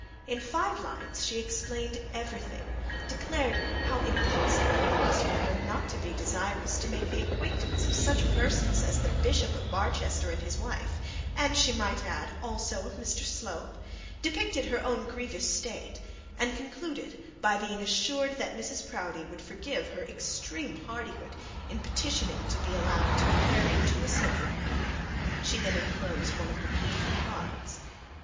In five lines she explained everything, declared how impossible it was for her not to be desirous to make the acquaintance of such persons as the bishop of Barchester and his wife, and she might add also of Mr Slope, depicted her own grievous state, and concluded by being assured that Mrs Proudie would forgive her extreme hardihood in petitioning to be allowed to be carried to a sofa. She then enclosed one of her beautiful cards.